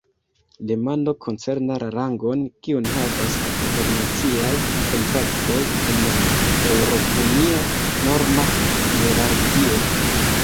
Demando koncernas la rangon, kiun havas la internaciaj kontraktoj en la eŭropunia norma hierarkio.